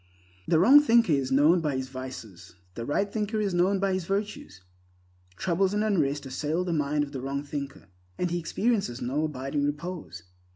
The wrong thinker is known by his vices; the right thinker is know by his virtues. Troubles and unrest assail the mind of the wrong thinker, and he experiences no abiding repose.